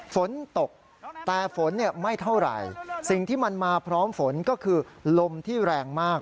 ฝนตกแต่ฝนไม่เท่าไหร่สิ่งที่มันมาพร้อมฝนก็คือลมที่แรงมาก